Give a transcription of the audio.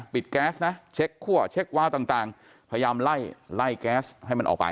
แก๊สนะเช็คคั่วเช็ควาวต่างพยายามไล่ไล่แก๊สให้มันออกไป